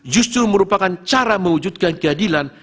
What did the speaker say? justru merupakan cara mewujudkan keadilan